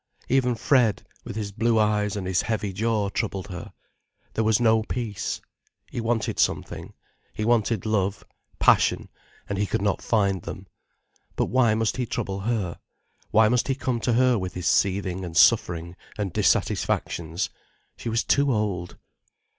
Even Fred, with his blue eyes and his heavy jaw, troubled her. There was no peace. He wanted something, he wanted love, passion, and he could not find them. But why must he trouble her? Why must he come to her with his seething and suffering and dissatisfactions? She was too old.